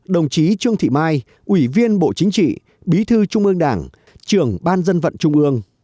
đồng chí trương thị mai ủy viên bộ chính trị bí thư trung ương đảng trưởng ban dân vận trung ương